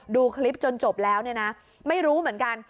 ดูคลิปจนจบแล้วเนี่ยนะไม่รู้เหมือนกัน